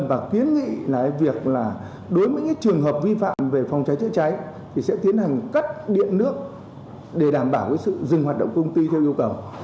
và khuyến nghị là việc là đối với những trường hợp vi phạm về phòng cháy chữa cháy thì sẽ tiến hành cắt điện nước để đảm bảo sự dừng hoạt động công ty theo yêu cầu